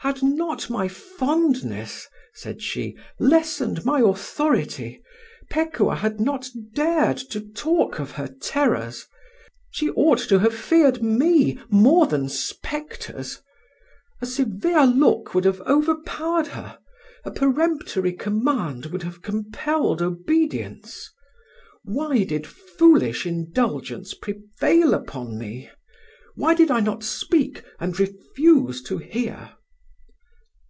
"Had not my fondness," said she, "lessened my authority, Pekuah had not dared to talk of her terrors. She ought to have feared me more than spectres. A severe look would have overpowered her; a peremptory command would have compelled obedience. Why did foolish indulgence prevail upon me? Why did I not speak, and refuse to hear?"